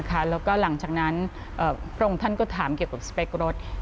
แล้วก็หลังจากนั้นพระองค์ท่านก็ถามเกี่ยวกับสเปครถ